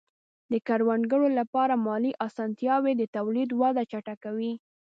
د کروندګرو لپاره مالي آسانتیاوې د تولید وده چټکوي.